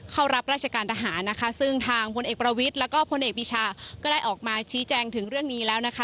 เข้ารับราชการทหารนะคะซึ่งทางพลเอกประวิทย์แล้วก็พลเอกปีชาก็ได้ออกมาชี้แจงถึงเรื่องนี้แล้วนะคะ